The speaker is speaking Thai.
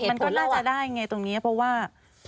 มันก็น่าจะได้ไงตรงนี้เพราะว่า